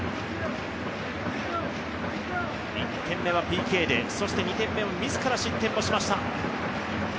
１点目はＰＫで２点目もミスから失点をしました。